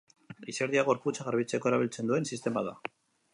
Izerdia gorputzak garbitzeko erabiltzen duen sistema da.